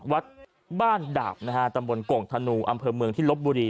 วัดบ้านดาบนะฮะตำบลโก่งธนูอำเภอเมืองที่ลบบุรี